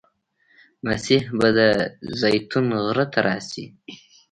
مسیح به د زیتون غره ته راشي.